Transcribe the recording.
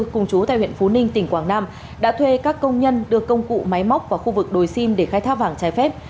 cùng chú tại huyện phú ninh tỉnh quảng nam đã thuê các công nhân đưa công cụ máy móc vào khu vực đồi sim để khai thác vàng trái phép